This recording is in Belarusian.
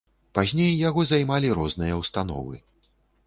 Пазней яго займалі розныя ўстановы.